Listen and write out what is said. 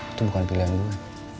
itu bukan pilihan gue